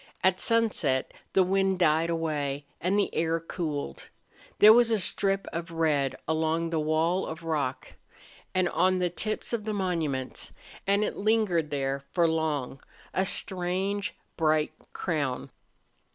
At sunset the wind died away and the air cooled. There was a strip of red along the wall of rock and on the tips of the monuments, and it lingered there for long, a strange, bright crown.